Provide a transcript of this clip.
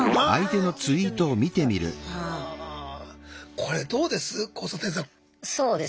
これどうです？